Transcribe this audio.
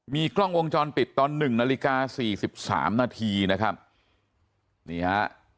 มีกล้องวงจรปิดตอนหนึ่งนาฬิกาสี่สิบสามนาทีนะครับนี่ฮะ